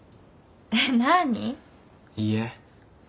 いいえ。